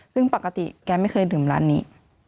ซึ่งปกติแกไม่เคยดื่มร้านนี้